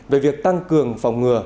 về việc tăng cường phòng ngừa